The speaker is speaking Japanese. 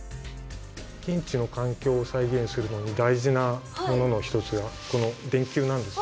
現地の環境を再現するのに大事なものの一つがこの電球なんです。